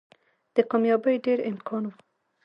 د کاميابۍ ډېر امکان وو